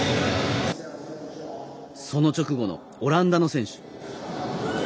その直後のオランダの選手。